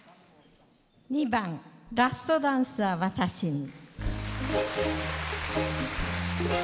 ２番「ラストダンスは私に」。